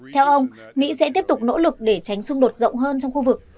theo ông mỹ sẽ tiếp tục nỗ lực để tránh xung đột rộng hơn trong khu vực